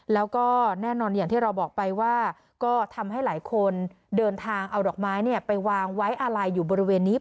แล้วก็แน่นอนอย่างที่เราบอกไปว่าก็ทำให้หลายคนเดินทางเอาดอกไม้ไปวางไว้อาลัยอยู่บริเวณนี้